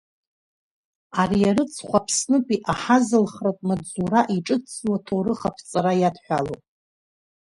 Ари арыцхә Аԥснытәи аҳазылхратә маҵзура иҿыцӡоу аҭоурых аԥҵара иадҳәалоуп.